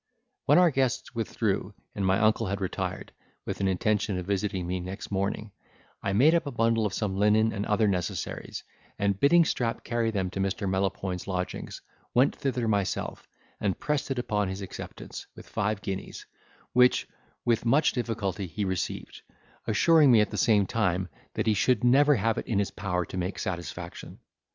When our guests withdrew, and my uncle had retired, with an intention of visiting me next morning, I made up a bundle of some linen and other necessaries; and, bidding Strap carry them to Mr. Melopoyn's lodgings, went thither myself, and pressed it upon his acceptance, with five guineas, which, with much difficulty, he received, assuring me at the same time, that he should never have it in his power to make satisfaction.